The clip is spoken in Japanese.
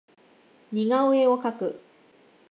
似顔絵を描く